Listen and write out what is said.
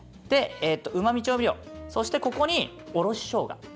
でうま味調味料そしてここにおろししょうが。